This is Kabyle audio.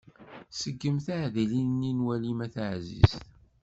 Seggem tiɛdilin-nni n walim a taɛzizt.